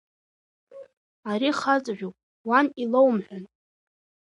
Ари хаҵажәоуп, уан илоумҳәан!